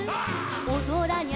「おどらにゃ